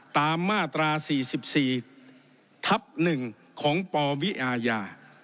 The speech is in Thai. ตามมาตรา๔๔ทับ๑ของปวิอาญา